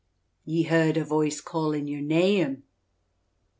"Ye heard a voice callin' yer neyame?"